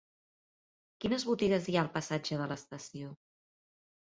Quines botigues hi ha al passatge de l'Estació?